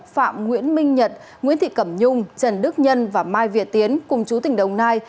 phạm nguyễn minh nhật nguyễn thị cẩm nhung trần đức nhân và mai việt tiến cùng chú tỉnh đồng nai